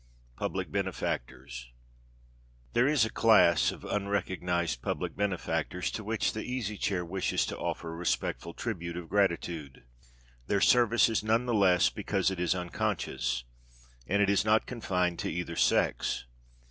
PUBLIC BENEFACTORS There is a class of unrecognized public benefactors to which the Easy Chair wishes to offer a respectful tribute of gratitude. Their service is none the less because it is unconscious; and it is not confined to either sex.